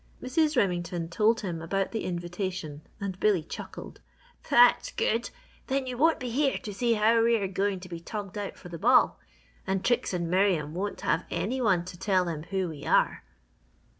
Mrs. Remington told him about the invitation and Billy chuckled. "That's good! Then you won't be here to see how we are going to be togged out for the ball, and Trix and Miriam won't have any one to tell them who we are."